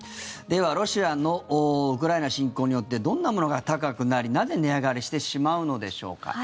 では、ロシアのウクライナ侵攻によってどんなものが高くなりなぜ値上がりしてしまうのでしょうか。